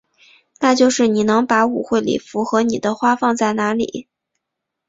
那就是你能把舞会礼服和你的花放在哪里？